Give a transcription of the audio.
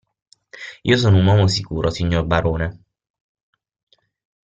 Io sono un uomo sicuro, signor barone.